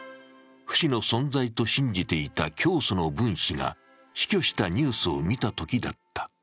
不死の存在と信じていた教祖のブン氏が死去したニュースを見たときだった。